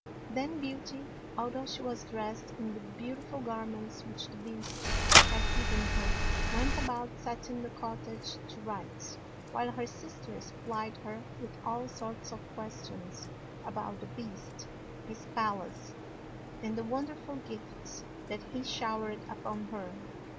Then Beauty — although she was dressed in the beautiful garments which the Beast had given her — went about setting the cot tage to rights, while her sisters plied her with all sorts of questions about the Beast, his palace, and the wonderful gifts that he showered upon her.